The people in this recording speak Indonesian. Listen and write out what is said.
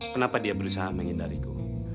kenapa dia berusaha menghindariku